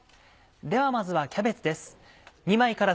ではまずはキャベツです。